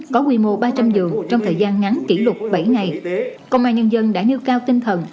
có quy mô ba trăm linh giường trong thời gian ngắn kỷ lục bảy ngày công an nhân dân đã nêu cao tinh thần